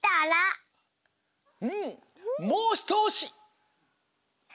うんもうひとおし！